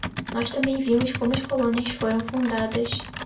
Nós também vimos como as colônias foram fundadas.